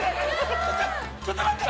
ちょっと待って。